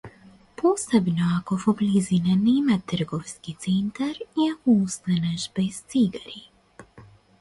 Посебно ако во близина нема трговски центар и ако останеш без цигари.